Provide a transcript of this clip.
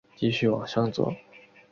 继续往上走